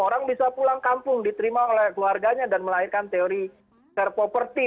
orang bisa pulang kampung diterima oleh keluarganya dan melahirkan teori cair property